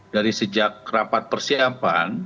dari sejak rapat persiapan